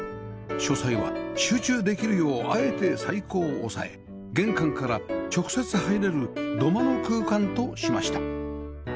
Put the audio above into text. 書斎は集中できるようあえて採光を抑え玄関から直接入れる土間の空間としました